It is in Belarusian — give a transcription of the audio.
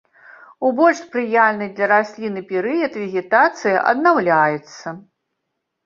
У больш спрыяльны для расліны перыяд вегетацыя аднаўляецца.